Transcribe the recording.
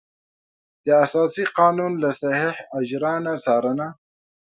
د اساسي قانون له صحیح اجرا نه څارنه.